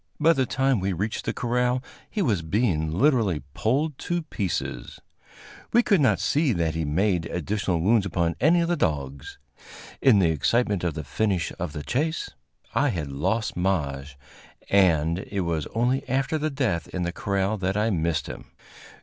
By the time we reached the corral, he was being literally pulled to pieces. We could not see that he made additional wounds upon any of the dogs. In the excitement of the finish of the chase I had lost Maje, and it was only after the death in the corral that I missed him.